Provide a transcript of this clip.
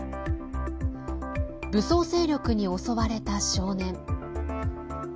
武装勢力に襲われた少年。